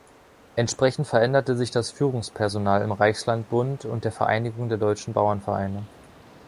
Entsprechend veränderte sich das Führungspersonal im Reichslandbund und der Vereinigung der deutschen Bauernvereine.